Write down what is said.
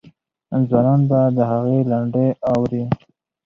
ځوانان به د هغې لنډۍ اوري.